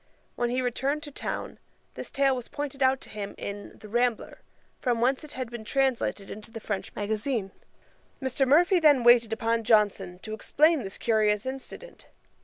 When he returned to town, this tale was pointed out to him in The Rambler, from whence it had been translated into the French magazine. Mr. Murphy then waited upon Johnson, to explain this curious incident.